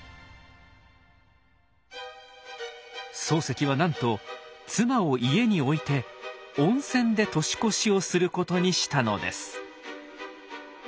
漱石はなんと妻を家に置いて温泉で年越しをすることにしたのです。